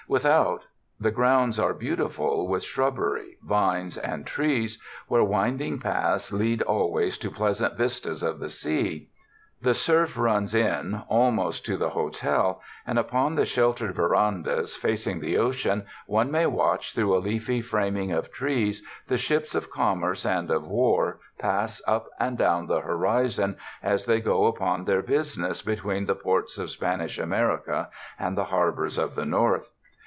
Without, the grounds are beautiful with shrubbery, vines and trees, where winding paths lead always to pleasant vistas of the sea. The surf runs in al most to the hotel, and upon the sheltered verandas facing the ocean one may watch through a leafy framing of trees the ships of commerce and of war pass up and down the horizon as they go upon their business between the ports of Spanish America and the harbors of the North.